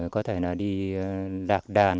có thể đi lạc đàn